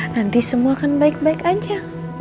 nanti semua akan baik baik aja